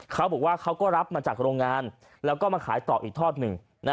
เขาบอกว่าเขาก็รับมาจากโรงงานแล้วก็มาขายต่ออีกทอดหนึ่ง